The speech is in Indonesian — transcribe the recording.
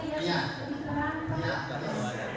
kita mau partai